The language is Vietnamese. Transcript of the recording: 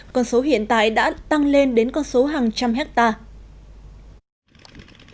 con số hiện tại đã tăng lên đến con số hàng trăm hectare